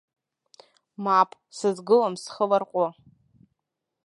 Мап, сызгылом схы ларҟәы.